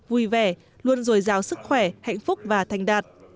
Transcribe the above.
vui vẻ luôn rồi rào sức khỏe hạnh phúc và thành đạt